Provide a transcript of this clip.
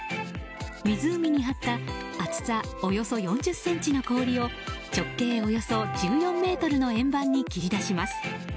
湖にはった厚さおよそ４０ｃｍの氷を直径およそ１４ｍの円盤に切り出します。